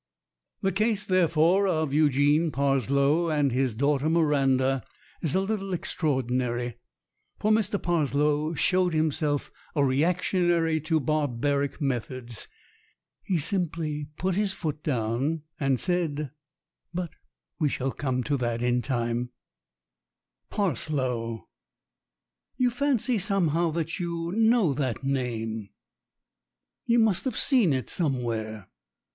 The case, therefore, of Eugene Parslow and his daughter Miranda is a little extraordinary, for Mr. Parslow showed himself a reactionary to barbaric methods. He simply put his foot down and said but we shall come to that in time. 38 THE MARRIAGE OF MIRANDA 39 Parslow you fancy somehow that you know that name. You must have seen it somewhere.